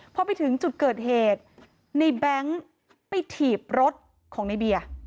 พอไปถึงจุดเกิดเหตุในแบงค์ไปถีบรถของในเบียร์